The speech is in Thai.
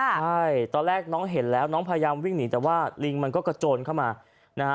ใช่ตอนแรกน้องเห็นแล้วน้องพยายามวิ่งหนีแต่ว่าลิงมันก็กระโจนเข้ามานะฮะ